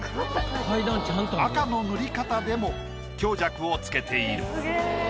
赤の塗り方でも強弱を付けている。